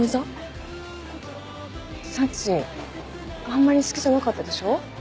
あんまり好きじゃなかったでしょ。